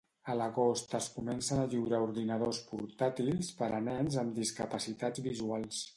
A l'agost es comencen a lliurar ordinadors portàtils per a nens amb discapacitats visuals.